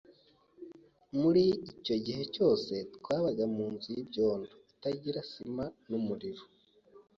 muri icyo gihe cyose twabaga mu nzu y’ibyondo, itagira sima n’umuriro,